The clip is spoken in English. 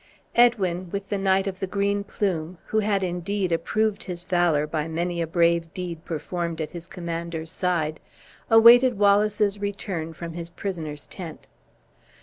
Edwin, with the Knight of the Green Plume (who had indeed approved his valor by many a brave deed performed at his commander's side), awaited Wallace's return from his prisoners' tent.